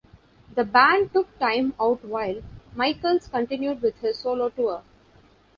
The band took time out while Michaels continued with his solo tour.